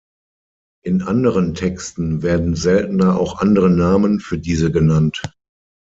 In anderen Texten werden seltener auch andere Namen für diese genannt.